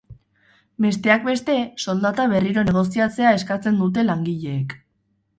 Besteak beste, soldata berriro negoziatzea eskatzen dute langileek.